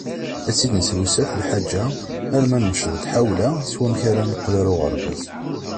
Ad tt-id-nesrusa ɣef lḥaǧa, alma nemceḍ-d ḥawla s wamek ara neqqel ɣer uqerdac.